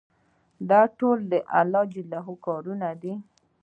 دا ټول د الله کارونه دي.